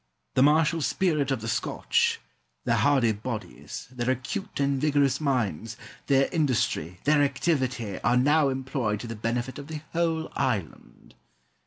The martial spirit of the Scotch, their hardy bodies, their acute and vigorous minds, their industry, their activity, are now employed to the benefit of the whole island.